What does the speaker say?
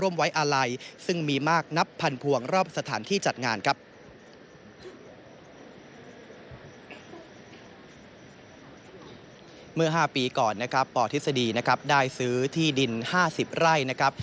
เมื่อ๕ปีก่อนนะครับปทฤษฎีนะครับได้ซื้อที่ดิน๕๐ไร่นะครับ